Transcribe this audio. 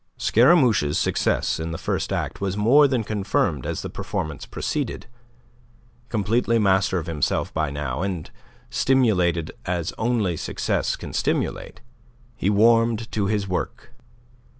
Scaramouche's success in the first act was more than confirmed as the performance proceeded. Completely master of himself by now, and stimulated as only success can stimulate, he warmed to his work.